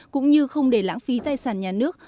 cũng như không để lãng phí tài sản nhà nước